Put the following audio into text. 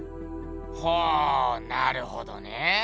ほぉなるほどね。